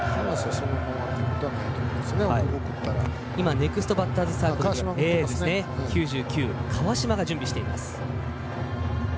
ネクストバッターズサークルには背番号９９の川島が準備しています。